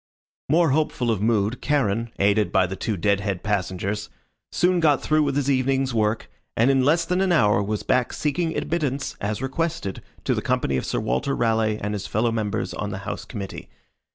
More hopeful of mood, Charon, aided by the two dead head passengers, soon got through with his evening's work, and in less than an hour was back seeking admittance, as requested, to the company of Sir Walter Raleigh and his fellow members on the house committee.